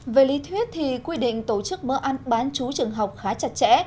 về lý thuyết thì quy định tổ chức mỡ ăn bán chú trường học khá chặt chẽ